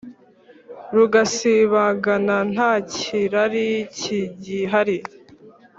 Rugasibangana ntakirari kigihari